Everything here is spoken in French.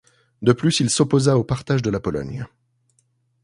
De plus, il s'opposa au partage de la Pologne.